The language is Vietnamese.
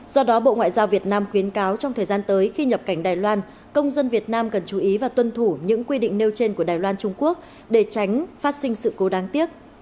do đó bộ ngoại giao việt nam khuyến cáo trong thời gian tới khi nhập cảnh đài loan công dân việt nam cần chú ý và tuân thủ những quy định nêu trên của đài loan trung quốc để tránh phát sinh sự cố đáng tiếc